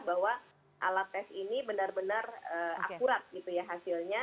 bahwa alat tes ini benar benar akurat gitu ya hasilnya